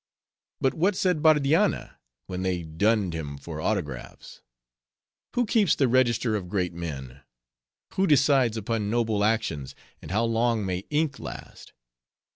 But what said Bardianna, when they dunned him for autographs?—'Who keeps the register of great men? who decides upon noble actions? and how long may ink last?